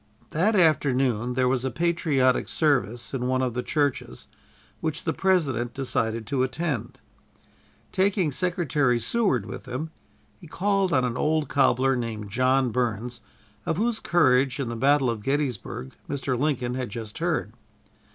That afternoon there was a patriotic service in one of the churches which the President decided to attend. Taking Secretary Seward with him, he called on an old cobbler named John Burns, of whose courage in the battle of Gettysburg Mr. Lincoln had just heard.